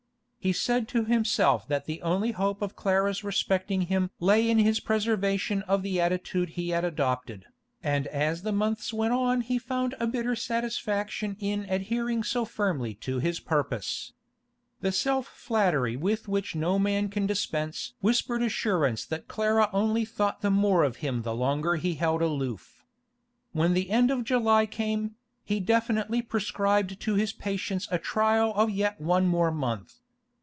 He said to himself that the only hope of Clara's respecting him lay in his preservation of the attitude he had adopted, and as the months went on he found a bitter satisfaction in adhering so firmly to his purpose. The self flattery with which no man can dispense whispered assurance that Clara only thought the more of him the longer he held aloof. When the end of July came, he definitely prescribed to his patience a trial of yet one more month.